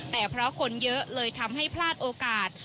แต่เพราะคนเยอะเลยทำให้พลาดโอกาส